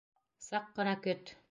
Саҡ ҡына көт!